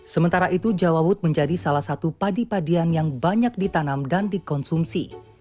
sementara itu jawawut menjadi salah satu padi padian yang banyak ditanam dan dikonsumsi